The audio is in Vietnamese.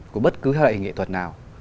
của bất cứ hệ nghệ thuật nào